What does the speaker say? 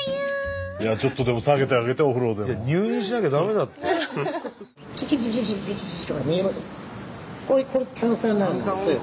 ちょっとでも下げてあげてお風呂で。